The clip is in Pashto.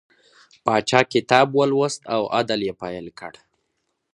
پاچا کتاب ولوست او عدل یې پیل کړ.